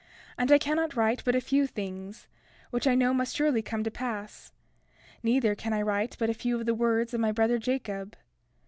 And I cannot write but a few things, which I know must surely come to pass; neither can I write but a few of the words of my brother Jacob.